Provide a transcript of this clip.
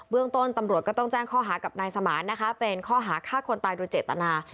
เรื่องต้นตำรวจก็ต้องแจ้งข้อหากับนายสมานนะคะเป็นข้อหาฆ่าคนตายโดยเจตนา